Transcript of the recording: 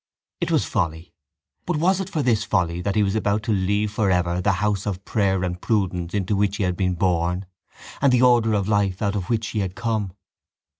It was folly. But was it for this folly that he was about to leave for ever the house of prayer and prudence into which he had been born and the order of life out of which he had come?